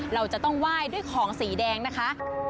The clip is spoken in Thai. เราจะต้องไหว้ด้วยของสีแดงนะคะ